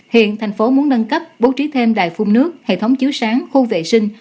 hiện thành phố muốn nâng cấp bố trí thêm đài phun nước hệ thống chiếu sáng khu vệ sinh